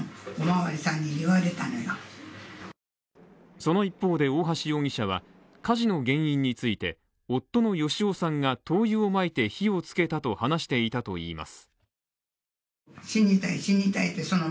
その一方で大橋容疑者は火事の原因について、夫の芳男さんが灯油をまいて火をつけたと話していたといいます。